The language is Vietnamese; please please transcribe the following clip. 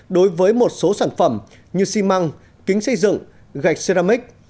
đối với một số sản phẩm như xi măng kính xây dựng gạch xeramic